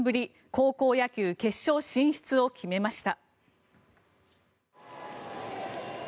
高校野球決勝進出を決めました。